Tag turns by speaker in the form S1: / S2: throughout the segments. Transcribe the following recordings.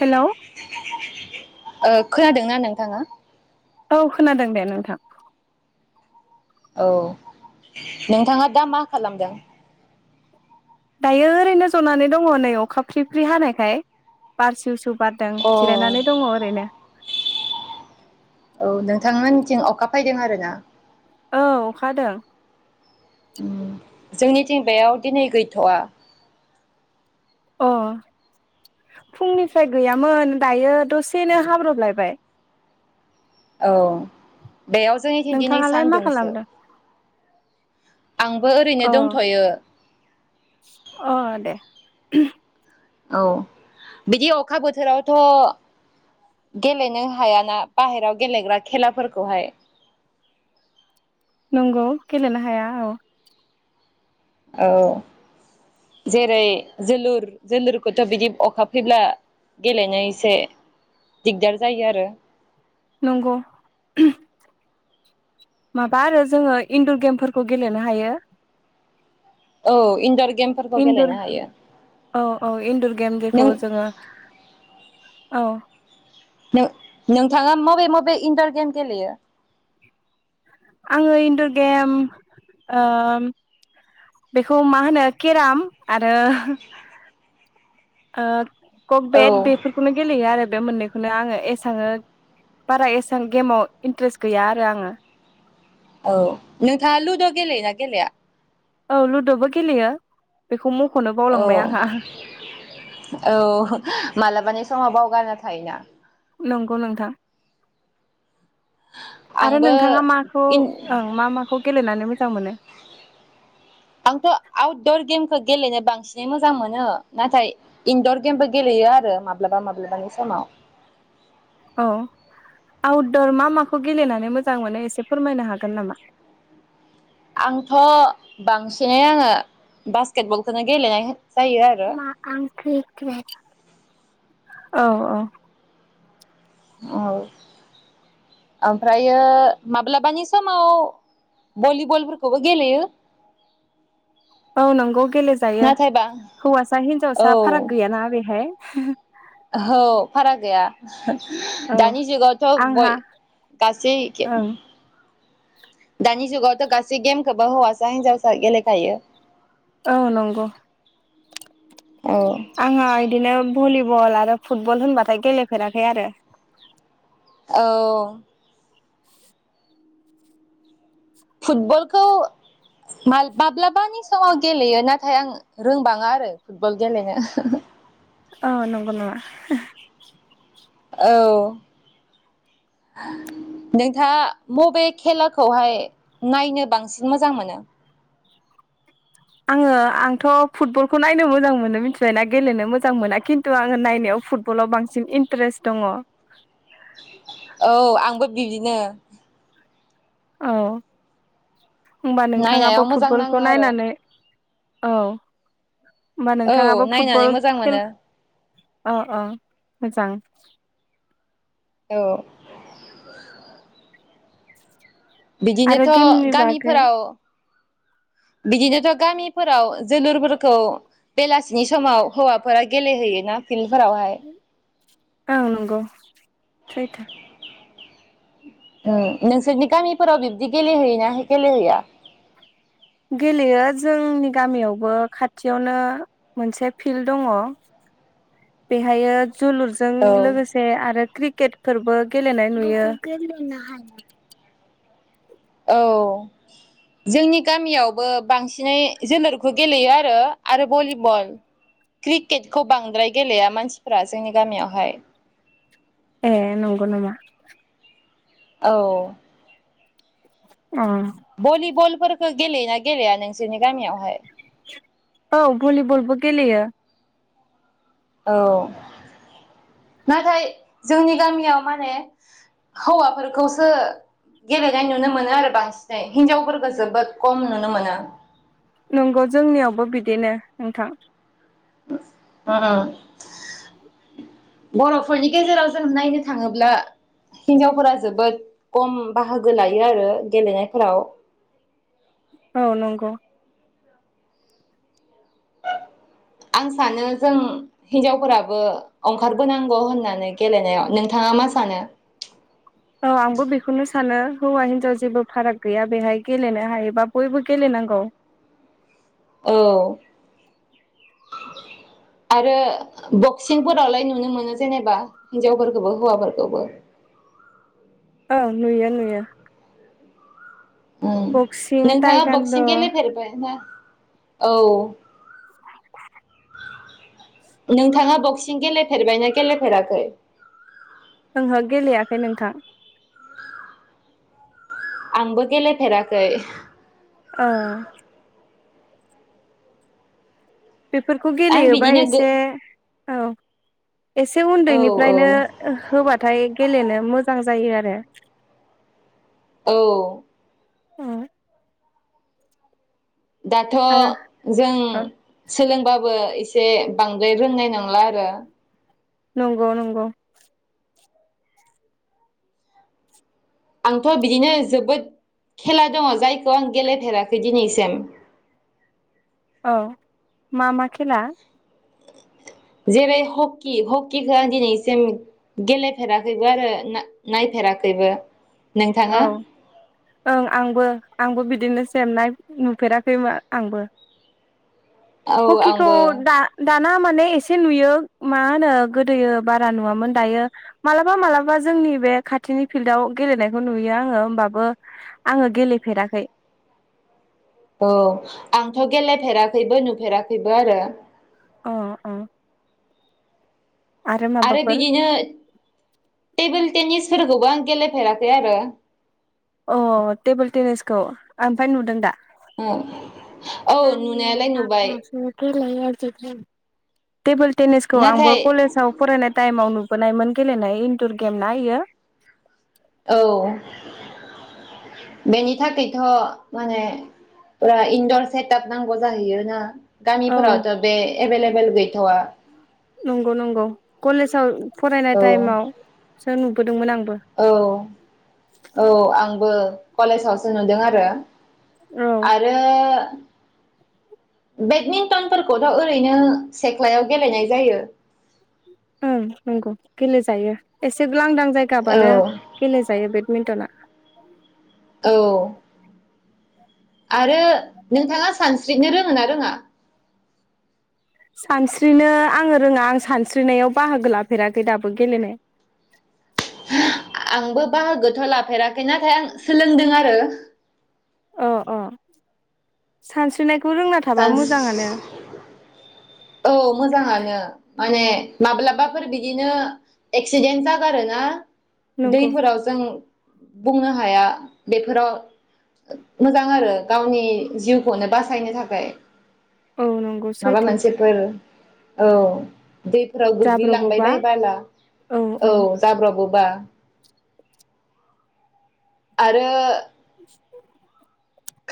S1: Hello
S2: खोनादों ना नोंथाङा
S1: औ खोनादों दे नोंथां
S2: औ नोंथाङा दा मा खालामदों
S1: दायो ओरैनो जनानै दङ नै अखा फ्रि फ्रि हानायखाय बार सिउ सिउ बारदों
S2: औ
S1: जिरायनानै दङ ओरैनो [inaudible]
S2: औ नोंथांमोनथिं अखा फायदों आरो ना
S1: औ अखाहादों
S2: उम जोंनिथिं बेयाव दिनै गैथवा
S1: अ फुंनिफ्राय गैयामोन दायो दसेनो हाब्रबलायबाय
S2: औ बेयाव जोंनि थिन दिनै
S1: नोंथाङालाय
S2: सान
S1: मा
S2: दंसो
S1: खालामदों
S2: आंबो ओरैनो
S1: अ
S2: दंथयो
S1: अ दे
S2: औ बिदि अखा बोथोरावथ' गेलेनो हायाना बाहेरायाव गेलेग्रा खेलाफोरखौहाय
S1: नंगौ गेलेनो हाया औ
S2: औ जेरै जोलुर जोलुरखौथ' बिदि अखा फैब्ला गेलेनो एसे दिगदार जायो आरो
S1: नंगौ माबा आरो जोङो इनन्दर गेमफोरखौ गेलेनो हायो
S2: औ इन्दर
S1: इन्दुर औ औ इन्दुर गेम जेखौ
S2: नों
S1: जोङो औ
S2: नो नोंथाङा मबे मबे इन्दर गेम गेलेयो
S1: आङो इन्दर गेम बेखौ मा होनो केराम आरो आ कक
S2: औ
S1: बेेट बेफोरखौनो गेलेयो आरो बे मोननैखौ बेखौनो आङो एसाङो बारा एसबां गेमाव इन्टारेस्ट गैया आरो आङो
S2: औ नोंथा लुद' गेलेयो ना गेलेया
S1: औ लुद'बो गेलेयो बेखौ म
S2: औ औ मालाबानि समाव बावगारना थायोना
S1: नंगौ नोंथां आरो
S2: आंबो
S1: नोंथाङा माखौ
S2: इन
S1: ओं मा माखौ गेलेनानै जांमोनो
S2: आंथ' आउटदर गेमखौ गेलेनो बांसिनै मोजां मोनो नाथाय इनदर गेमबो गेलेयो आरो माब्लाबा माब्लाबानि समाव
S1: औ आउटदर मा माखौ गेलेनानै मोजां मोनो एसे फोरमायनो हागोन नामा?
S2: आंथ' बांसिनै आङो बास्केटबलखौनो गेलेनाय जायो आरो
S1: [unintelligible] औ औ
S2: औ ओमफ्रायो माब्लाबानि समाव भलिबलफोरखौबो गेलेयो
S1: औ नंगौ गेलेजायो
S2: नाथायबा
S1: हौवासा हिनजावसा फाराग गैयाना बेहाय [unintelligible]
S2: औहो फाराग गैया
S1: औ
S2: दानि जुगावथ'
S1: आंहा
S2: बय गासै
S1: ओं
S2: दानि जुगाव गासै गेमखौबो हौवासा हिनजावसा गेलेखायो
S1: औ नंगौ
S2: औ
S1: आङो इदिनो भलिबल आरो फुटबल होनबाथाय गेलेफेराखै आरो
S2: औ फुटबलखौ माल-माब्लानि समाव गेलेयो नाथाय आं रोंबाङा आरो फुटबल गेलेनो [unintelligible]
S1: औ नंगौ नामा?
S2: औ नोंथाङा बबे खेलाखौहाय नायनो बांसिन मोजां मोनो?
S1: आङो आंथ' फुटबलखौ नायनो मोजां मोनो मिथिबाय ना गेलेनो मोजां मोना खिन्थु आङो नायनायाव फुटबलाव बांसिन इन्टारेस्ट दङ
S2: औ आंबो बिदिनो
S1: औ ओमबा नोंथाङाबो
S2: नायनायाव मोजां नाङो
S1: फुटबलखौ
S2: आरो
S1: नायनानै औ होमबा
S2: औ
S1: नोंथाङाबो फुटबल
S2: नायनानै मोजां
S1: खेल
S2: मोनो
S1: अ अ मोजां
S2: औ
S1: आरो
S2: बिदिनोथ'
S1: गेमनि बागै
S2: गामिफोराव बिदिनोथ' गामिफोराव जोलुरफोरखौ बेलासिनि समाव हौवाफोरा गेलेहैयोना फिल्ड
S1: औ नंगौ सैथो
S2: ओ नोंसोरनि गामिफोराव बिब्दि गेलेहैयोना गेलेहैया?
S1: गेलेयो जोंनि गामियावबो खाथियावनो मोनसे फिल्ड दङ बेहायो जोलुरजों
S2: औ
S1: लोगोसे आरो क्रिक क्केटफोरबो गेलेनाय नुयो
S2: औ जोंनि गामियावबो बांसिनै जोलुरखौ गेलेयो आरो आरो भलिबल क्रिकेटखौ बांद्राय गेलेया मानसिफ्रा जोंनि गामियावहाय
S1: ए नंगौ नामा
S2: औ
S1: [unintelligible]
S2: बलि बल फोरखौ गेलेयोना गेलेया नोंसोरनि गामियावहाय
S1: औ भलिबलबो गेलयो
S2: औ नाथाय जोंनि गामियाव माने हौवाफोरखौसो गेलेनाय नुनो मोनो आरो बांसिनै हिनजावफोरखौ जोबोद खम नुनो मोनो
S1: नंगौ जोंनियावबो बिदिनो नोंथां
S2: ओ बर'फोरनि गेजेराव जों नायनो थाङोब्ला हिनजावफोरा जोबोद खम बाहागो लायो आरो गेलेनायफोराव
S1: औ नंगौ
S2: आं सानो जों हिनजावफोराबो ओंखारबोनांगौ होननानै गेलेनायाव नोंथाङा मा सानो
S1: औ आंबो बेखौनो सानो हौवा हिनजाव जेबो फाराग गैया बेहाय गेलेनो हायोबा बयबो गेलेनांगौ
S2: औ आरो बक्सिंफोरावलाय नुनो मोनो जेनेबा हिनजावफोरखौबो हौवाफोरखौबो
S1: औ नुयो नुयो
S2: ओम
S1: बक्सिं
S2: नोंथाङा
S1: टाइकान्द'
S2: बक्सिं गेलेफेरबाय ना औ
S1: [inaudible]
S2: नोंथाङा बक्सिं गेलेफेरबायना गेलेफेराखै
S1: ओंहो गेलेयाखै नोंथां
S2: आंबो गेलेफेराखै
S1: अ बेफोरखौ
S2: आं
S1: गेलेयोबा
S2: बिदिनो गो
S1: एसे औ एसे
S2: औ औ
S1: उन्दैनिफ्रायनो होबाथाय गेलेनो मोजां जायो आरो
S2: औ
S1: अ
S2: दाथ'
S1: आरो
S2: जों
S1: ओ
S2: सोलोंबा बो एसे बांद्राय रोंनाय नंला आरो
S1: नंगौ नंगौ
S2: आंथ' बिदिनो जोबोद खेला दङ जायखौ आं गेलेफेराखै दिनैसिम
S1: औ मा मा खेला
S2: जेरै हकि हकिखौ आं दिनैसिम गेलेफेराखैबो आरो नायफेराखैबो नोंथाङा
S1: औ ओं आंबो आंबो बिदिनो सेम नाय नुफेराखैबो आंबो
S2: औ
S1: हखिखौ
S2: आंबो
S1: दा दा ना माने एसे नुयो मा होनो गोदोयो बारा नुवामोन दायो मालाबा मालाबा जोंनि बे खाथिनि फिल्डआव गेलेनायखौ नुयो आङो होमबाबो आङो गेलेफेराखै
S2: औ आंथ' गेलेफेराखैबो नुफेराखैबो आरो
S1: अ अ
S2: आरो बिदिनो टेबोल टेनिसफोरखौबो आं गेलेफेराखै आरो
S1: अ टेबोल टेनिसखौ ओमफ्राय नुदों दा
S2: औ औ नुनायालाय नुबाय
S1: यार जगोन टेबोल टेनिसखौ आंबो
S2: नाथाय
S1: कलेजाव फरायनाय टाइमाव नु नायमोन गेलेनाय इन्दुर गेम ना इयो
S2: औ बेनि थाखायथ' माने फुरा इन्दर सेटआप नांगौ जाहैय ना
S1: औ
S2: गामिफोरावथ' बे एभेलेबेल ेल गैथ'ा [unintelligible]
S1: नंगौ नंगौ कलेजाव फरायनाय
S2: औ
S1: टाइमाव सो नुबोदोंमोन आं
S2: औ औ आंबो कलेजावसो नुदों आरो
S1: औ
S2: आरो बेडमिन्टनफोरखौथ' ओरैनो सेख्लायाव गेलेनाय जायो
S1: गेलेेजायो एसे लांदां
S2: औ
S1: जायगाबानो गेलेजायो बे मिन्टना
S2: अ आरो नोंथाङा सानस्रिनो रोङो ना रोङा
S1: सानस्रिनो आङो रोङा आं सानस्रिनायाव बाहागो लाफेराखै दाबो गेलेनाया
S2: आंबो बाहागो [unintelligible] जााफेराखै नाथाय आं सोलोंदों आरो
S1: अ अ [unintelligible] थाबा
S2: सानस
S1: मोजाङानो।
S2: औ मोजाङानो माने माब्लाबाफोर बिदिनो एक्सिडेन्ट जागारो ना
S1: नंगौ
S2: दैफोराव जों बुंनो हाया बेफोराव मोजां आरो गावनि जिउखौनो बासायनो थाखाय
S1: औ नंगौ
S2: [unintelligible] माबा
S1: सैथो
S2: मोनसे औ दैफोराव गोग्लैलांबाय
S1: जाब्रबोबा
S2: बायबोला औ जाब्राबबो बा आरो
S1: [unintelligible]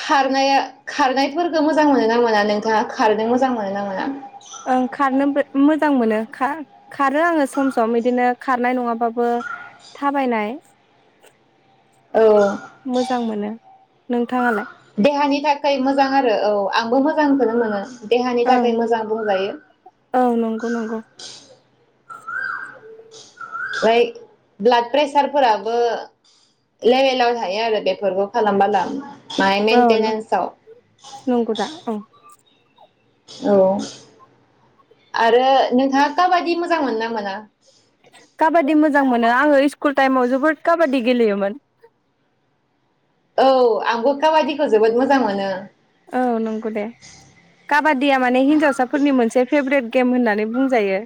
S2: खारनाया खारनायफोरखौ मोजां मोनो मोना नोंथाङा खारदों मोजां मोनो ना मोना
S1: ओं खारनो मोजां मोनो खारो आङो सम सम बिदिनो खारनाय नङाबाबो थाबायनाय
S2: औ
S1: मोजां मोनो नोंथाङालाय
S2: देहानि थाखाय मोजां आरो औ आंबो मोजांखौनो मोनो देहानि
S1: ओं
S2: थाखाय मोजां बुंजायो
S1: औ नंगौ नंगौ [inaudible]
S2: फ्राय ब्लाड प्रेसारफोराबो लेभेलाव थायो आरो बेफोरखौ खालामबाला माइ
S1: औ
S2: मेन्टेनेन्सआव
S1: नंगौ दा औ
S2: औ आरो नोंथाङा काबादि मोजां मोन ना मोना
S1: काबादि मोजां मोनो आङो स्कुल टाइमाव जोबोद काबादि गेलेयोमोन
S2: औ आंबो काबादिखौ जोबोद मोजां मोनो
S1: औ नंगौ दे काबादिया माने हिनजावसाफोरनि मोनसे फेभ्रेट गेम होननानै बुंजायो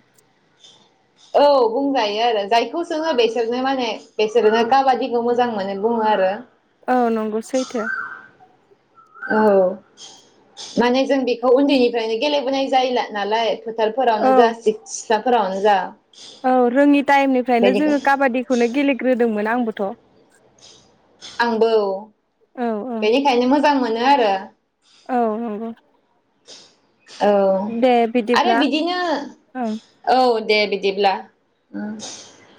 S2: औ बुंजायो आरो जायखौ सोङो बेसोरनो माने बिसोरनो काबादिखौ मोजां मोनो बुङो आरो
S1: औ नंगौ सैथो
S2: औ माने जों बेखौ उन्दैनिफ्रायनो गेलेबोनाय जायोला नालाय
S1: औ
S2: फोथारफोरावनो जासि फोथारावनो‌ जा
S1: औ रोङि टाइम ओफ्रायनो
S2: बेनिखाय
S1: जोङो काबादिखौनोे गेले होदोंमोन आंबोथ'
S2: आंबो
S1: औ
S2: बेनिखायनो मोजां मोनो आरो
S1: औ नंगौ
S2: औ
S1: दे
S2: आरो
S1: बिदिब्ला
S2: बिदिनो
S1: औ
S2: औ दे बिदिब्ला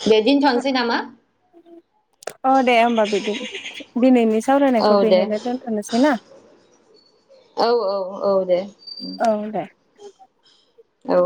S2: दे दोनथ'नोसै नामा
S1: अ दे होमबा बिदि दिनैनि
S2: औ
S1: सावरायनायखौ
S2: दे
S1: बेहायनो दोनथ'नोसै ना
S2: औ औ औ दे
S1: औ दे
S2: औ